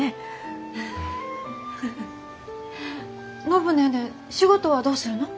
暢ネーネー仕事はどうするの？